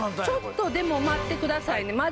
ちょっとでも待ってくださいね。